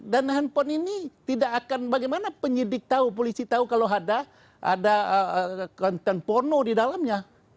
dan handphone ini tidak akan bagaimana penyidik tahu polisi tahu kalau ada konten porno di dalamnya